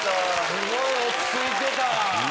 すごい落ち着いてた。